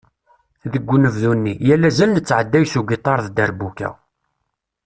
Deg unebdu-nni, yal azal nettɛedday s ugiṭar d dderbuka.